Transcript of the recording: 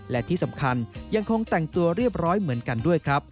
และที่สำคัญยังคงแต่งตัวเรียบร้อยเหมือนกันด้วยครับ